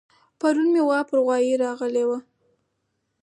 پرون مې غوا پر غوايه راغلې وه